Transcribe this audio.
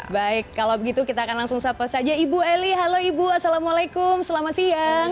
baik kalau begitu kita akan langsung sapa saja ibu eli halo ibu assalamualaikum selamat siang